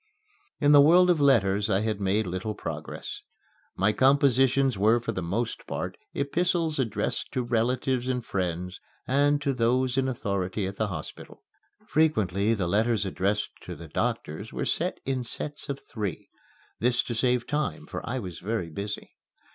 In the world of letters I had made little progress. My compositions were for the most part epistles addressed to relatives and friends and to those in authority at the hospital. Frequently the letters addressed to the doctors were sent in sets of three this to save time, for I was very busy.